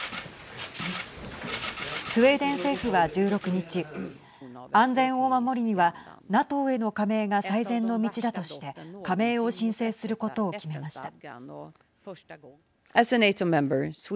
スウェーデン政府は１６日安全を守るにはＮＡＴＯへの加盟が最善の道だとして加盟を申請することを決めました。